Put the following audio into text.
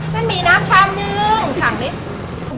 ฉันมีน้ำชามหนึ่งสั่งนิด